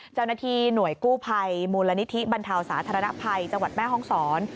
เจ้าหน้าที่หน่วยกู้ภัยมูลนิธิบรรเทาสาธารณภัยจังหวัดแม่ห้องศร